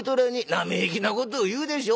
生意気なことを言うでしょう。